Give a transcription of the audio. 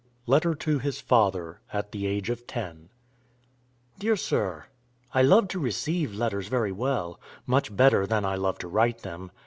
LETTER TO HIS FATHER (At the Age of Ten) DEAR SIR, I love to receive letters very well; much better than I love to write them.